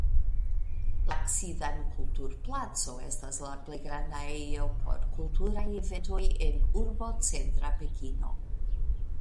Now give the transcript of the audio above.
La Ksidan Kulturplaco estas la plej granda ejo por kulturaj eventoj en urbocentra Pekino.